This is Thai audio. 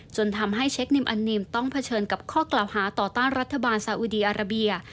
จนทำให้เชคนิมอันนิมต้องเผชิญกับข้อกล่าวหาต่อต้านรัฐบาลสาอุดีอาราเบีย